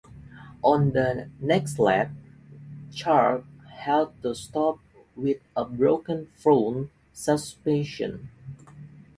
On the next lap, Clark had to stop with a broken front suspension.